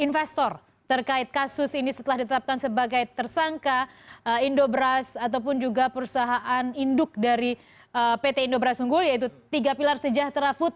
investor terkait kasus ini setelah ditetapkan sebagai tersangka indobras ataupun juga perusahaan induk dari pt indobra sungguh yaitu tiga pilar sejahtera food